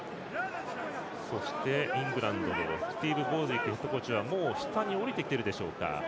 そしてイングランドのスティーブ・ボーズウィックヘッドコーチはもう下に下りてきているでしょうか。